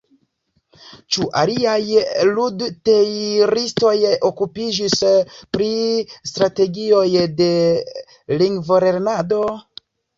Ĉu aliaj lud-teoriistoj okupiĝis pri strategioj de lingvolernado?